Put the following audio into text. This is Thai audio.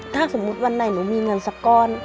ถ้าสมมุติวันไหนหนูมีเงินสักก้อน